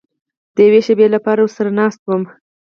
د یوې شېبې لپاره ورسره ناست وم.